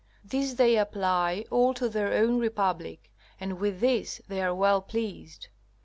These they apply all to their own republic, and with this they are well pleased.